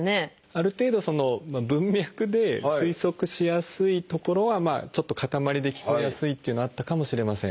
ある程度文脈で推測しやすい所はちょっと固まりで聞こえやすいっていうのはあったかもしれません。